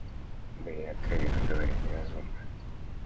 Да и, откровенно говоря, неразумно.